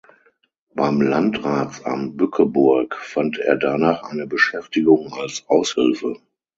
Beim Landratsamt Bückeburg fand er danach eine Beschäftigung als Aushilfe.